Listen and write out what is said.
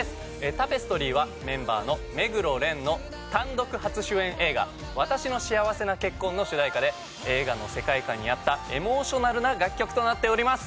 『タペストリー』はメンバーの目黒蓮の単独初主演映画『わたしの幸せな結婚』の主題歌で映画の世界観に合ったエモーショナルな楽曲となっております。